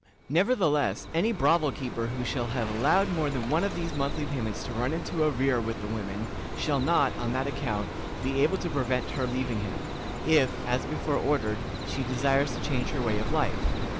Nevertheless, any brothel keeper who shall have allowed more than one of these monthly payments to run into arrear with the women, shall not, on that account, be able to prevent her leaving him, if, as before ordered, she desires to change her way of life.